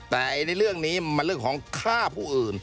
แต่ในเรื่องนี้มันเรื่องของฆ่าผู้อื่น